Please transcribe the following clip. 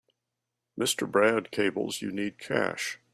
Mr. Brad cables you need cash.